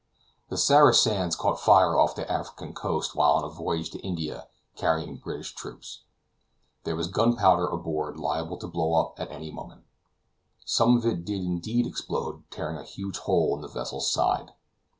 The Sarah Sands caught fire off the African coast while on a voyage to India carrying British troops. There was gunpowder aboard liable to blow up at any moment. Some of it did indeed explode, tearing a huge hole in the vessel's side.